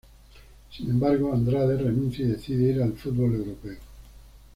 Sin embargo, Andrade renuncia y decide ir al fútbol europeo.